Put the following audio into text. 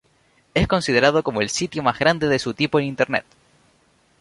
Es considerado como el sitio más grande de su tipo en Internet.